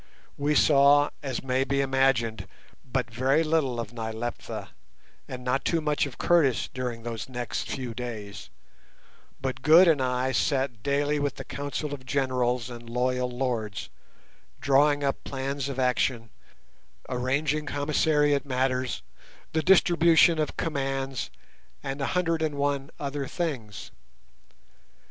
We saw, as may be imagined, but very little of Nyleptha and not too much of Curtis during those next few days, but Good and I sat daily with the council of generals and loyal lords, drawing up plans of action, arranging commissariat matters, the distribution of commands, and a hundred and one other things.